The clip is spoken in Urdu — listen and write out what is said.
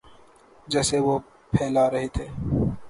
جسے وہ پھیلا رہے تھے۔